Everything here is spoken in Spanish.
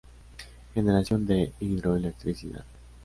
Generación de Hidroelectricidad.